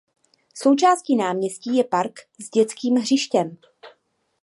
Součástí náměstí je park s dětským hřištěm.